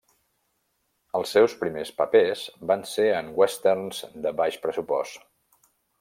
Els seus primers papers van ser en westerns de baix pressupost.